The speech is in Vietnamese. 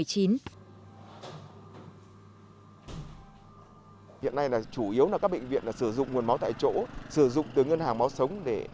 hiện nay là chủ yếu là các bệnh viện sử dụng nguồn máu tại chỗ sử dụng từ ngân hàng máu sống